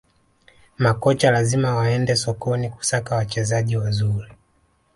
Makocha lazima waende sokoni kusaka wachezaji wazuri